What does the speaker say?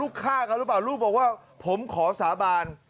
ลูกฆ่ากับถูกว่าลูกบอกว่าผมขอสาบาน